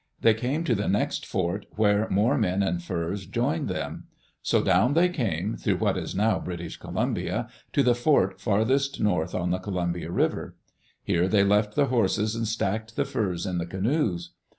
They came to the next fort, where more men and furs joined them. So down they came through what is now British Columbia, to the fort farthest north on the Columbia River. Here they left the horses and stacked the furs in the canoes.